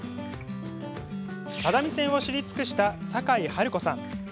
只見線を知り尽くした酒井治子さん。